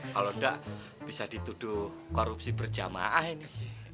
kalau enggak bisa dituduh korupsi berjamaah ini